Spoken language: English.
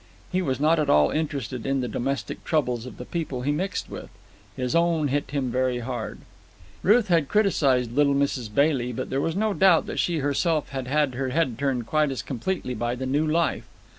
He was not at all interested in the domestic troubles of the people he mixed with. His own hit him very hard. Ruth had criticized little Mrs. Bailey, but there was no doubt that she herself had had her head turned quite as completely by the new life.